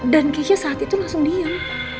dan keisha saat itu langsung diam